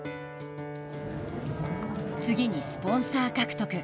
次にスポンサー獲得。